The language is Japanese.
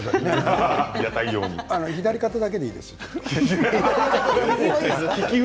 左腕だけでいいです。